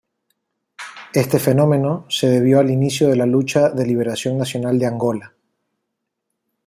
Este fenómeno, se debió al inicio de la Lucha de Liberación Nacional de Angola.